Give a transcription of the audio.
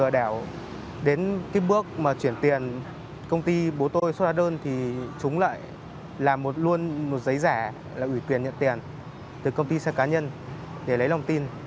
đến bước mà chuyển tiền công ty bố tôi xuất ra đơn thì chúng lại làm luôn một giấy rẻ là ủy quyền nhận tiền từ công ty sang cá nhân để lấy lòng tin